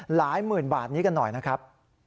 หลายหมื่นบาทนี้กันหน่อยนะครับ